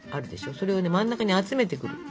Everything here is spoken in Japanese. それを真ん中に集めてくる。